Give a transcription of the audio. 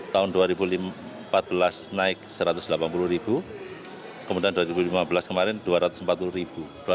tahun dua ribu empat belas naik satu ratus delapan puluh ribu kemudian dua ribu lima belas kemarin dua ratus empat puluh ribu